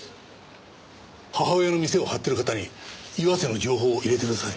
母親の店を張ってる方に岩瀬の情報を入れてください。